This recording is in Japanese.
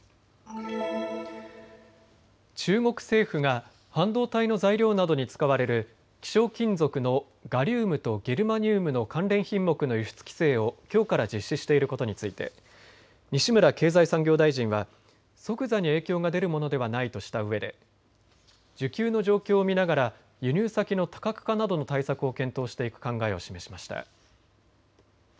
中国政府が半導体の材料などに使われる希少金属のガリウムとゲルマニウムの関連品目の輸出規制をきょうから実施していることについて西村経済産業大臣は即座に影響が出るものではないとしたうえで需給の状況を見ながら輸入先の多角化などの対策を検討していく考えを示しました。